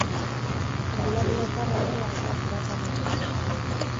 Erdilari nafarra, ordea, ez da hasierako hamaikakoan egongo.